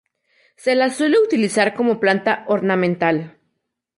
Se la suele utilizar como planta ornamental.